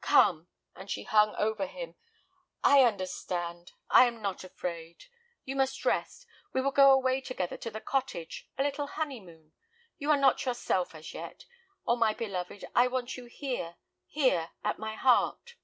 "Come," and she hung over him; "I understand, I am not afraid. You must rest; we will go away together to the cottage—a little honeymoon. You are not yourself as yet. Oh, my beloved, I want you here, here—at my heart!"